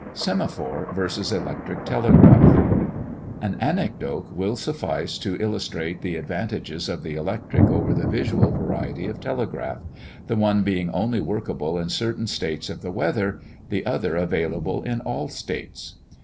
SEMAPHORE v. ELECTRIC TELEGRAPH. An anecdote will suffice to illustrate the advantages of the electric over the visual variety of telegraph the one being only workable in certain states of the weather; the other available in all states.